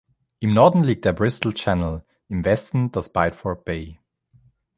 Im Norden liegt der Bristol Channel, im Westen das Bideford Bay.